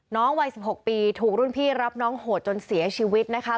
วัย๑๖ปีถูกรุ่นพี่รับน้องโหดจนเสียชีวิตนะคะ